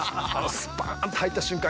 スパーンと入った瞬間